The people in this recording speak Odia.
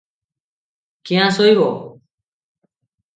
କ୍ୟାଁ ସହିବ?